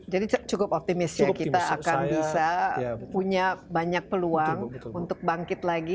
cukup optimis ya kita akan bisa punya banyak peluang untuk bangkit lagi